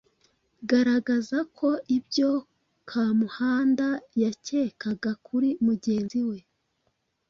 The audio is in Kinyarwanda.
Garagaza ko ibyo Kamuhanda yakekaga kuri mugenzi we